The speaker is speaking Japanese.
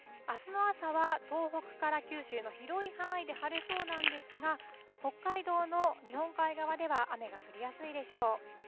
あすの朝は、東北から九州の広い範囲で晴れそうなんですが、北海道の日本海側では雨が降りやすいでしょう。